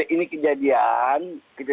ini kejadian kita